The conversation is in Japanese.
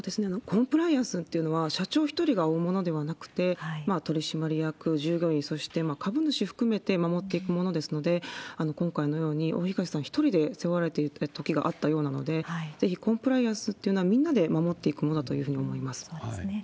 コンプライアンスというのは、社長一人が負うものではなくて、取締役、従業員、そして株主含めて守っていくものですので、今回のように大東さん一人で背負われてたときがあったようなので、ぜひコンプライアンスというのはみんなで守っていくものだというそうですね。